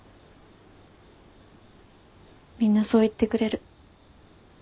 みんなそう言ってくれる。